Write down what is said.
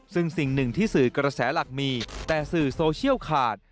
ซึ่งสิ่งหนึ่งที่สื่อกระแสหลักมีแต่สื่อโซเชียลขาด